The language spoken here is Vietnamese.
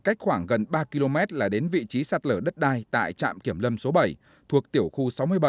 đang thi công gần ba km là đến vị trí sạt lở đất đai tại trạm kiểm lâm số bảy thuộc tiểu khu sáu mươi bảy